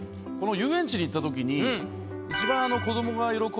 遊園地に行った時に。